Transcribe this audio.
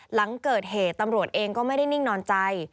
หลังเกิดเหตุตำรวจเองก็ไม่ได้นิ่งนอนใจ